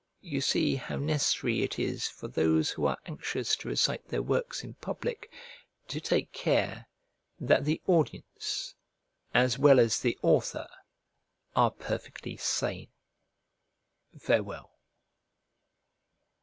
You see how necessary it is for those who are anxious to recite their works in public to take care that the audience as well as the author are perfectly sane. Farewell.